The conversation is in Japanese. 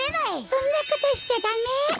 そんなことしちゃダメ！